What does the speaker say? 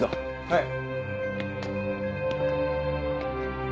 はい。